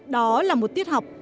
đó là một tiết học